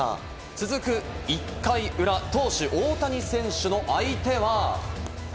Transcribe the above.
続く１回裏、投手・大谷選手の相手は。